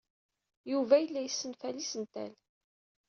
Yuba yella yessenfal isental.